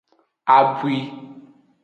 Abwi.